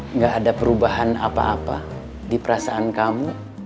enggak ada perubahan apa apa di perasaan kamu